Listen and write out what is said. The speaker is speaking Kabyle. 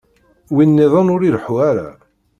Win-nniḍen ur ileḥḥu ara.